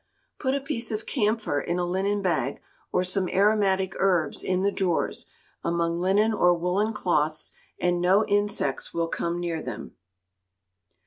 Put a piece of camphor in a linen bag, or some aromatic herbs, in the drawers, among linen or woollen clothes, and no insects will come near them.